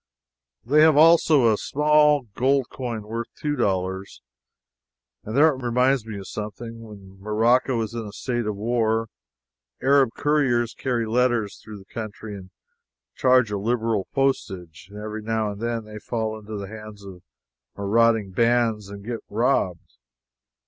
They have also a small gold coin worth two dollars. And that reminds me of something. When Morocco is in a state of war, Arab couriers carry letters through the country and charge a liberal postage. Every now and then they fall into the hands of marauding bands and get robbed.